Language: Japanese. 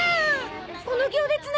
この行列何？